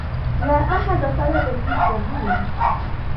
لا أحد طلب بيتزا هنا.